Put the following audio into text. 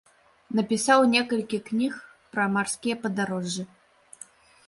Напісаў некалькі кніг пра марскія падарожжы.